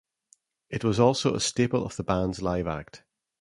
It was also a staple of the band's live act.